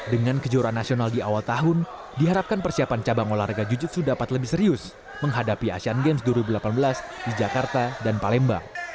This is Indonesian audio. dengan kejuaraan nasional di awal tahun diharapkan persiapan cabang olahraga jiu jitsu dapat lebih serius menghadapi asean games dua ribu delapan belas di jakarta dan palembang